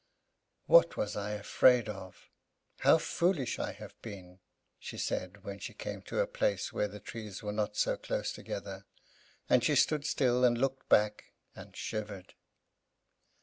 "What was I afraid of? How foolish I have been!" she said, when she came to a place where the trees were not so close together. And she stood still and looked back and shivered.